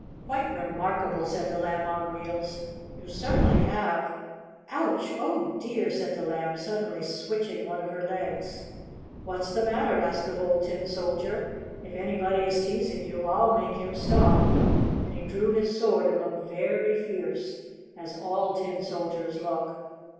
"Quite remarkable," said the Lamb on Wheels. "You certainly have Ouch! Oh, dear!" said the Lamb, suddenly switching one of her legs. "What's the matter?" asked the Bold Tin Soldier. "If anybody is teasing you I'll make him stop!" and he drew his sword and looked very fierce as all tin soldiers look.